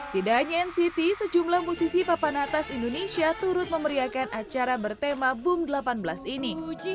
tidak hanya nct sejumlah musisi papan atas indonesia turut memeriakan acara bertema boom delapan belas ini